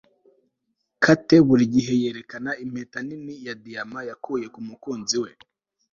kate burigihe yerekana impeta nini ya diyama yakuye kumukunzi we